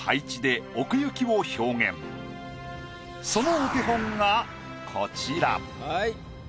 そのお手本がこちら。